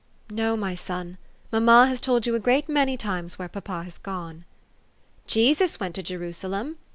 "" No, my son. Mamma has told you a great many tunes where papa has gone." "Jesus went to Jerusalem!"